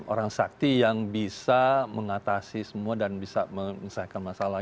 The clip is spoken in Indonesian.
orang sakti yang bisa mengatasi semua dan bisa menyelesaikan masalah